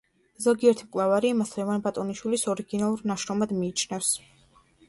ზოგიერთი მკვლევარი მას ლევან ბატონიშვილის ორიგინალურ ნაშრომად მიიჩნევს.